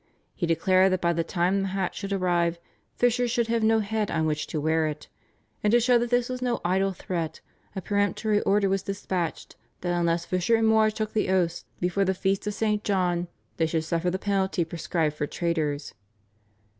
He declared that by the time the hat should arrive Fisher should have no head on which to wear it, and to show that this was no idle threat a peremptory order was dispatched that unless Fisher and More took the oath before the feast of St. John they should suffer the penalty prescribed for traitors.